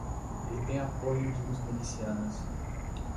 Ele tem apoio de uns milicianos.